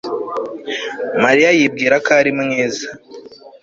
Mariya yibwira ko ari mwiza